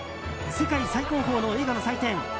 世界最高峰の映画の祭典